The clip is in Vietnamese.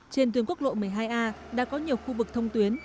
trên tuyến quốc lộ một mươi hai a đã có nhiều khu vực thông tuyến